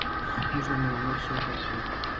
موږ له میلمانه ښه هرکلی کوو.